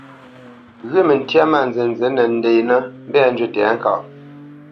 Ghyə̂ məntyâ mâ nzənzí nə nděnə mbɛ̂ njywí tɛ̌ŋkaʼ.